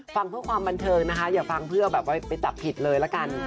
ฟังเพื่อความบันเทิงนะคะอย่าฟังเพื่อแบบว่าไปจับผิดเลยละกัน